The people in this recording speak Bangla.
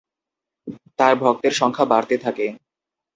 তার ভক্তের সংখ্যা বাড়তে থাকে।